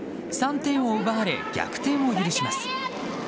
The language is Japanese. ３点を奪われ逆転を許します。